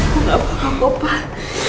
gak apa apa bapak